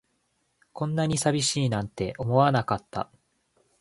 こんなに寂しいなんて思わなかった